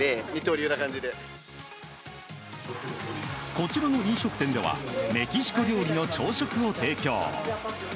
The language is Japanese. こちらの飲食店ではメキシコ料理の朝食を提供。